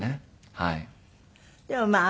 はい。